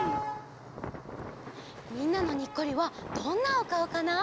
みんなのニッコリはどんなおかおかな？